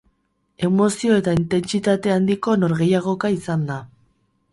Emozio eta intentsitate handiko norgehiagoka izan da.